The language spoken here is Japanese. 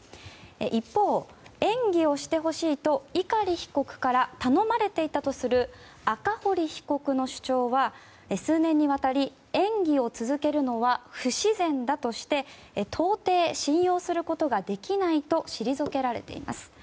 一方、演技をしてほしいと碇被告から頼まれていたとする赤堀被告の主張は数年にわたり演技を続けるのは不自然だとして到底、信用することができないと退けられています。